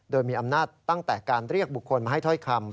โดยมีอำนาจตั้งแต่การเรียกบุคคลมาให้ถ้อยคำ